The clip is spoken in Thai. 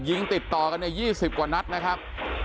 ยิงติดต่อกันอย่างนี้๒๐กว่านัฐนะครับ